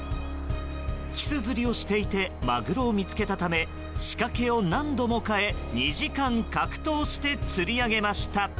キス釣りをしていてマグロを見つけたため仕掛けを何度も変え２時間格闘してつり上げました。